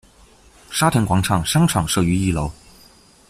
沙田广场商场设于一楼。